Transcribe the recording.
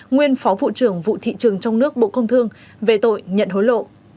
nguyên phó vụ trưởng vụ thị trường trong nước bộ công thương về tội nhận hối lộ